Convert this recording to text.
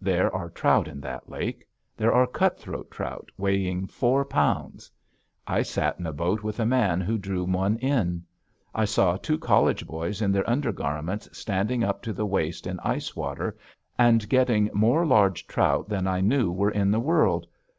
There are trout in that lake; there are cutthroat trout weighing four pounds. I sat in a boat with a man who drew one in. I saw two college boys in their undergarments standing up to the waist in ice water and getting more large trout than I knew were in the world.